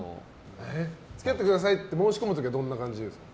付き合ってくださいって申し込む時はどんな感じですか？